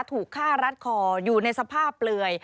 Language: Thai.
ถูกฆ่ารัดคออยู่ในสภาพเปลือย